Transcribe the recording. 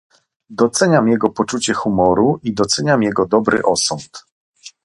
Doceniam jego poczucie humoru i doceniam jego dobry osąd